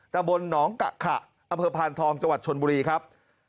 ตะบนหนองกะขะอพทองจชนบุรีครับ